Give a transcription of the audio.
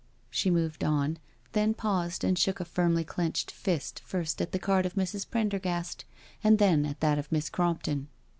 She moved on, then paused and shook a firmly clenched fist, first at the card of Mrs. Prendergast, and then at that of Miss Crompton.